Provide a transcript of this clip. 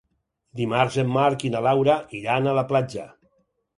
Dimarts en Marc i na Laura iran a la platja.